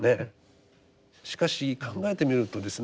しかし考えてみるとですね